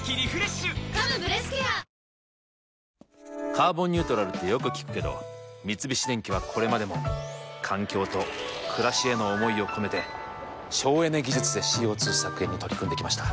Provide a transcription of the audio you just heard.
「カーボンニュートラル」ってよく聞くけど三菱電機はこれまでも環境と暮らしへの思いを込めて省エネ技術でＣＯ２削減に取り組んできました。